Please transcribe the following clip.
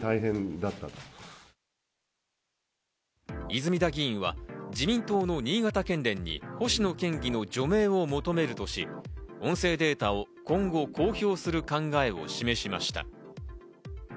泉田議員は自民党の新潟県県連に星野県議の除名を求めるとし、音声データを今後、公表する考えを示しました。